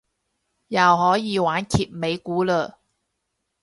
又可以玩揭尾故嘞